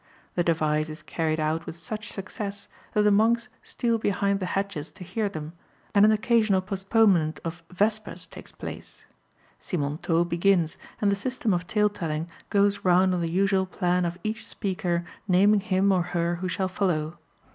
The device is carried out with such success that the monks steal behind the hedges to hear them, and an occasional postponement of vespers takes place. Simontault begins, and the system of tale telling goes round on the usual plan of each speaker naming him or her who shall follow.